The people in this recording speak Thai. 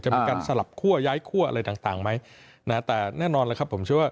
จะมีการสลับครั่วย้ายครั่วอะไรต่างมั้ยใหนต่างน่ะแต่แน่นอนแล้วครับผม